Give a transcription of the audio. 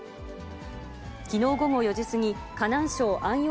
きのう午後４時過ぎ、河南省安陽